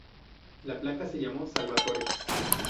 La placa se llamó "Salvatore".